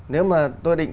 nếu mà tôi định